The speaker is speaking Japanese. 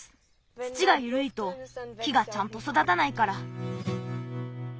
土がゆるいと木がちゃんとそだたないから。